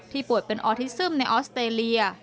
ป่วยเป็นออทิซึมในออสเตรเลีย